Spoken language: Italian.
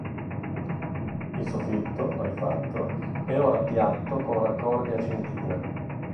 Il soffitto, rifatto, è ora piatto con raccordi a centina.